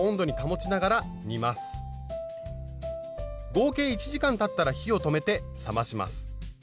合計１時間たったら火を止めて冷まします。